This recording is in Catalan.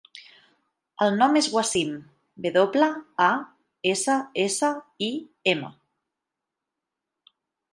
El nom és Wassim: ve doble, a, essa, essa, i, ema.